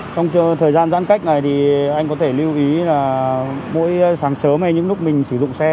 trong thời gian giãn cách này thì anh có thể lưu ý là mỗi sáng sớm hay những lúc mình sử dụng xe